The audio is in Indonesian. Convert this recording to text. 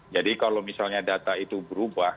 jadi kalau misalnya data itu berubah